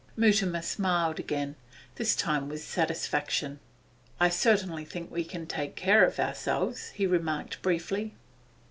Mutimer smiled again, this time with satisfaction. 'I certainly think we can take care of ourselves,' he remarked briefly.